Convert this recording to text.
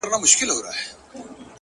نوره سپوږمۍ راپسي مه ږغـوه.!